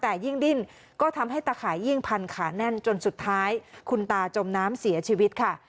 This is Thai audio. แต่ยิ่งดิ้นก็ทำให้ตะข่ายยิ่งพันขาแน่นจนสุดท้ายคุณตาจมน้ำเสียชีวิตค่ะ